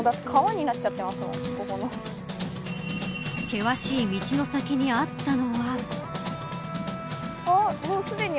険しい道の先にあったのは。